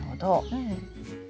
うん。